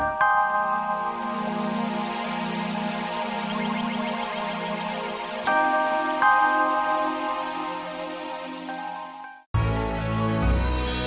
kamu sudah berubah